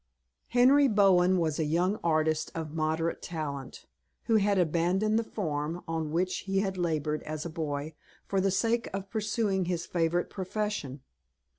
HENRY BOWEN was a young artist of moderate talent, who had abandoned the farm, on which he had labored as a boy, for the sake of pursuing his favorite profession.